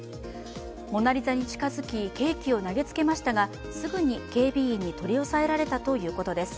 「モナ・リザ」に近づきケーキを投げつけましたが、すぐに警備員に取り押さえられたということです。